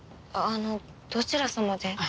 あのどちら様で？